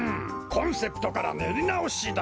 コンセプトからねりなおしだ。